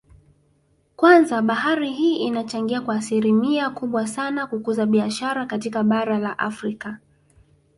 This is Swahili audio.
Kwanza bahari hii inachangia kwa asilimia kubwa sana kukuza biashara katika bara la Afrika